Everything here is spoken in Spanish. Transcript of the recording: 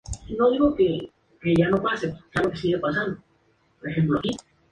Autor de artículos científicos sobre la vinificación y la economía.